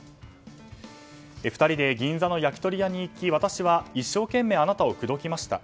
２人で銀座の焼き鳥屋に行き私は一生懸命あなたを口説きました。